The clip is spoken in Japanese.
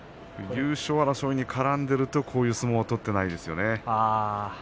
優勝争いに絡んでいるとこういう相撲は取っていませんね。